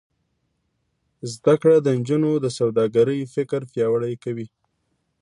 زده کړه د نجونو د سوداګرۍ فکر پیاوړی کوي.